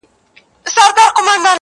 تا خو کړئ زموږ د مړو سپکاوی دی.